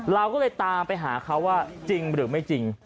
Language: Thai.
เราก็เลยตามไปหาเขาว่าจริงหรือไม่จริง